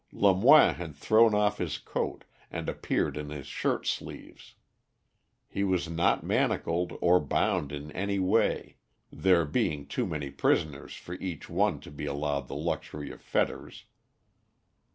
Lemoine had thrown off his coat, and appeared in his shirt sleeves. He was not manacled or bound in any way, there being too many prisoners for each one to be allowed the luxury of fetters.